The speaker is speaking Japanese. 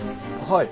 はい。